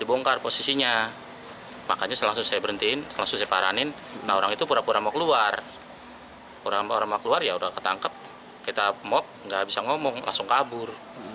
orang orang keluar ya sudah ketangkep kita mok nggak bisa ngomong langsung kabur